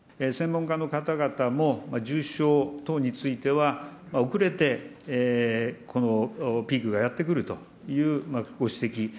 専門家の方々も、重症等については、遅れてこのピークがやって来るというご指摘。